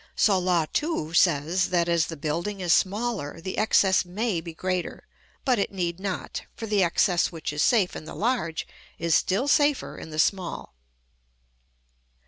So Law 2 says, that as the building is smaller, the excess may be greater; but it need not, for the excess which is safe in the large is still safer in the small.